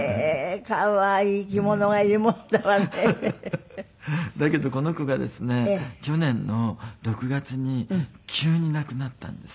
可愛い生き物がいるもんだわね。だけどこの子がですね去年の６月に急に亡くなったんです。